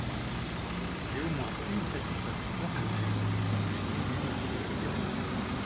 J’ai au moins une satisfaction personnelle : j’ai ému Monsieur Piron.